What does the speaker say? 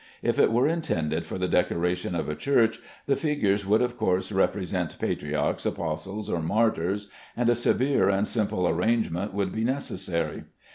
If it were intended for the decoration of a church, the figures would of course represent patriarchs, apostles, or martyrs, and a severe and simple arrangement would be necessary.